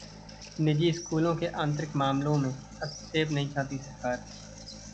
निजी स्कूलों के आंतरिक मामलों में हस्तक्षेप नहीं चाहती सरकार